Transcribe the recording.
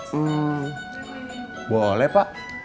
hmm boleh pak